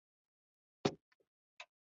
د کمېسیون درې تنو غړو بیاتۍ راواخیستې.